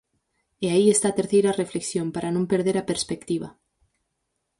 E aí está a terceira reflexión, para non perder a perspectiva.